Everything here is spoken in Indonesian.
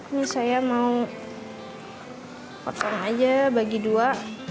ini saya mau potong aja bagi dua